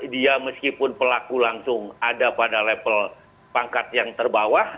dia meskipun pelaku langsung ada pada level pangkat yang terbawah